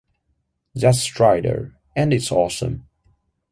That's "Strider", and it's awesome.